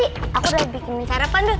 aku udah bikinin sarapan deh